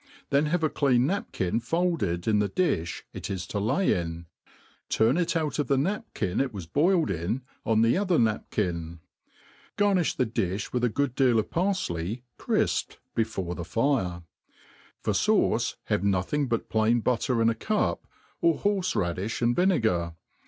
Then have a clean napkin folded in the. difh it is to lay in, turn it out of the napkin it was boiled in, on the other napkin. Garni(h the difh with ar good deal of parfley crifped before the fire. For fauce have nothing but plain butter in a cup, or horfe« raddiib and vinegar.